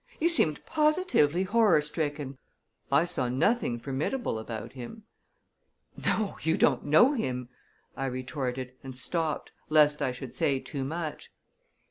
"You seemed positively horror stricken. I saw nothing formidable about him." "No; you don't know him!" I retorted, and stopped, lest I should say too much.